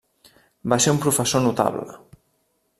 Va ser un professor notable.